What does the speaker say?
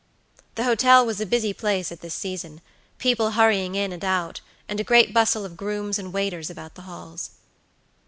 The hotel was a busy place at this season; people hurrying in and out, and a great bustle of grooms and waiters about the halls.